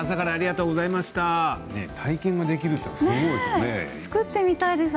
体験できるってすごいですね。